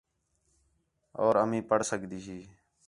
اور امی پڑھ سڳدی ہی